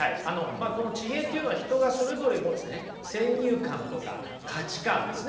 まあこの地平っていうのは人がそれぞれ持つね先入観とか価値観ですね。